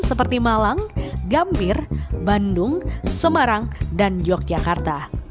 seperti malang gambir bandung semarang dan yogyakarta